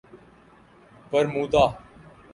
Bermuda